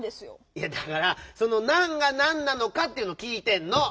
いやだからその「なん」がなんなのかっていうのきいてんの！